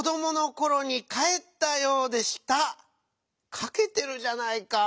かけてるじゃないかぁ。